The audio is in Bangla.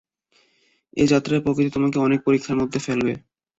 এই যাত্রায় প্রকৃতি তোমাকে অনেক পরীক্ষার মধ্যে ফেলবে।